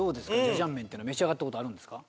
ジャジャン麺っていうのは召し上がったことあるんですか？